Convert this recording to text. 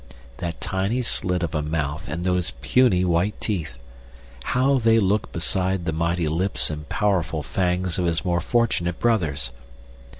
That tiny slit of a mouth and those puny white teeth! How they looked beside the mighty lips and powerful fangs of his more fortunate brothers!